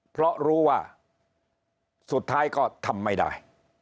เพราะรู้ว่าสุดท้ายก็ทำไม่ได้